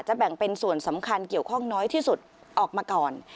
แบ่งเป็นส่วนสำคัญเกี่ยวข้องน้อยที่สุดออกมาก่อน